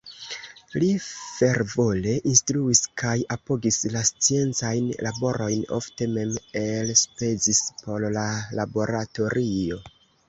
Li fervore instruis kaj apogis la sciencajn laborojn, ofte mem elspezis por la laboratorio.